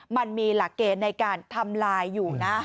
มันมีหลักเกณฑ์ในการทำลายอยู่นะ